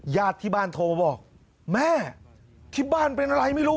ญาติที่บ้านโทรบอกแม่ที่บ้านเป็นอะไรไม่รู้